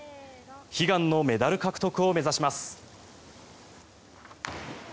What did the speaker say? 悲願のメダル獲得を目指します。